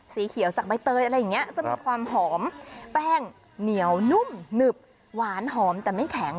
สีเขียวจากใบเตยอะไรอย่างนี้จะมีความหอมแป้งเหนียวนุ่มหนึบหวานหอมแต่ไม่แข็ง